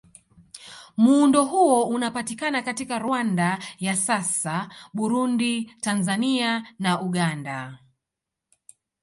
Muundo huo unapatikana katika Rwanda ya sasa, Burundi, Tanzania na Uganda.